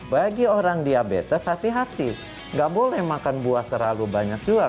bagi orang diabetes hati hati gak boleh makan buah terlalu banyak juga